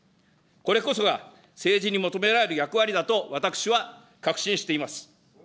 これこそが政治に求められる役割だと、私は確信しています。